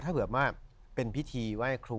ถ้าเผื่อว่าเป็นพิธีไหว้ครู